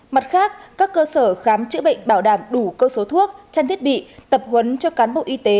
mặt khác các cơ sở khám chữa bệnh bảo đảm đủ cơ số thuốc trang thiết bị tập huấn cho cán bộ y tế